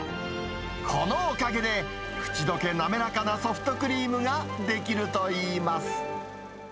このおかげで、口どけ滑らかなソフトクリームが出来るといいます。